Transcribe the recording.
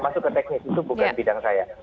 masuk ke teknis itu bukan bidang saya